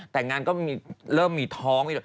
แต่งงานก็เริ่มมีท้อง